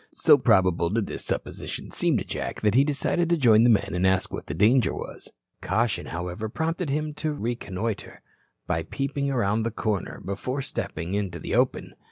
So probable did this supposition seem to Jack that he decided to join the men and ask what the danger was. Caution, however, prompted him to reconnoitre by peeping around the corner before stepping into the open.